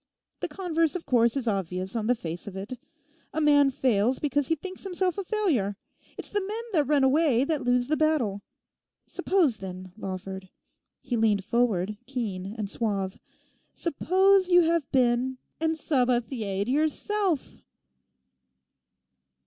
The converse, of course, is obvious on the face of it. A man fails because he thinks himself a failure. It's the men that run away that lose the battle. Suppose then, Lawford'—he leaned forward, keen and suave—'suppose you have been and "Sabathiered" yourself!